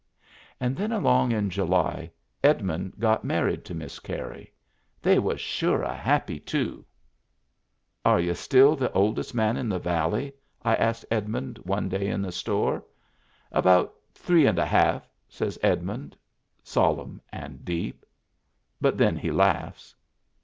And then along in July Edmund got married to Miss Carey. They was sure a happy two !" Are y'u still the oldest man in the valley ?" I asks Edmund one day in the store. "About three and a half," says Edmund, solemn and deep. But then he laughs.